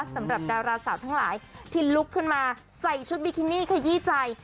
สำหรับดาราสาวทั้งหลายที่ลุกขึ้นมาใส่ชุดบิกินี่ขยี้ใจ